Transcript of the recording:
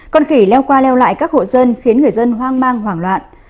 con khỉ leo qua leo lại các hộ dân khiến người dân hoang mang hoảng loạn